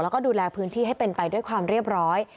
แล้วก็ดูแลพื้นที่ให้เป็นไปด้วยความเรียบร้อย